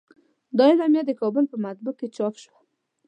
دا اعلامیه د کابل په مطبعه کې چاپ شوه.